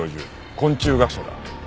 昆虫学者だ。